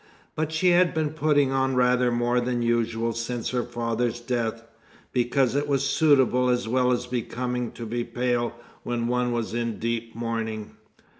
But she had been putting on rather more than usual since her father's death, because it was suitable as well as becoming to be pale when one was in deep mourning.